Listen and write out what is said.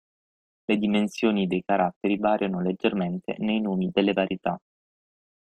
Le dimensioni dei caratteri variano leggermente nei nomi delle varietà.